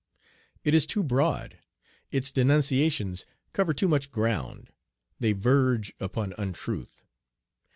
It is too broad. Its denunciations cover too much ground. They verge upon untruth.